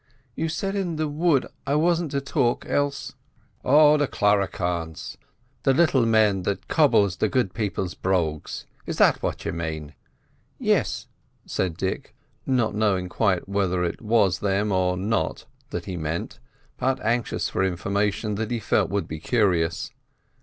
"You said in the wood I wasn't to talk, else—" "Oh, the Cluricaunes—the little men that cobbles the Good People's brogues. Is it them you mane?" "Yes," said Dick, not knowing quite whether it was them or not that he meant, but anxious for information that he felt would be curious.